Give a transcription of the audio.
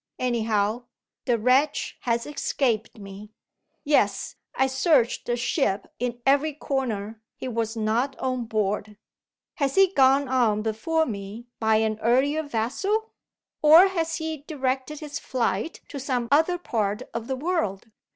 Anyhow, the wretch has escaped me. "Yes; I searched the ship in every corner. He was not on board. Has he gone on before me, by an earlier vessel? Or has he directed his flight to some other part of the world?